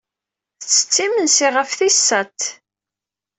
Tettett imensi ɣef tis sat.